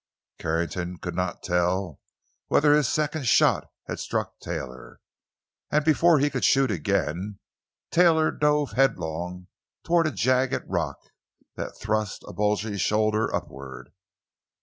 Carrington could not tell whether his second shot had struck Taylor, and before he could shoot again, Taylor dove headlong toward a jagged rock that thrust a bulging shoulder upward.